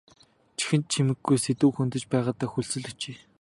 Чихэнд чимэггүй сэдэв хөндөж байгаадаа хүлцэл өчье.